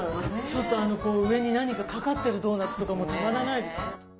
ちょっと上に何かかかってるドーナツとかたまらないです。